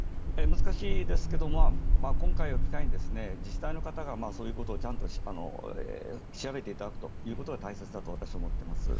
難しいですが今回を機会に自治体の方がそういうことをちゃんと調べていただくということが大切だと私は思っています。